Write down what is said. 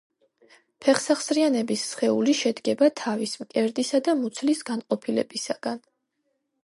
ფეხსახსრიანების სხეული შედგება თავის, მკერდისა და მუცლის განყოფილებისაგან.